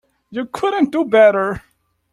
You couldn't do better.